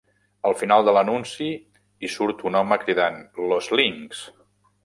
Al final de l'anunci hi surt un home cridant Los Links!